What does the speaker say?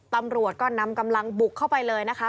ตำรวจก็นำกำลังบุกเข้าไปเลยนะคะ